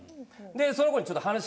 その子に。